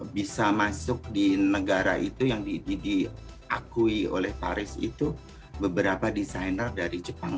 bisa masuk di negara itu yang diakui oleh paris itu beberapa desainer dari jepang